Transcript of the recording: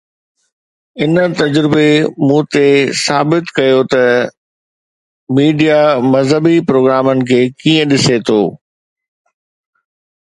ان تجربي مون تي واضح ڪيو ته ميڊيا مذهبي پروگرامن کي ڪيئن ڏسندي آهي.